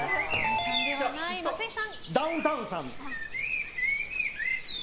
ダウンタウンさん。